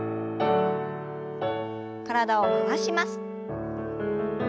体を回します。